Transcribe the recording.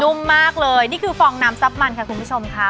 ุ่มมากเลยนี่คือฟองน้ำซับมันค่ะคุณผู้ชมค่ะ